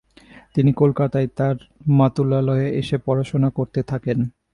তিনি কলকাতায় তাঁর মাতুলালয়ে এসে পড়াশোনা করতে থাকেন।